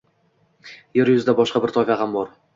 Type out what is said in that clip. Yer yuzida boshqa bir toifa ham bor.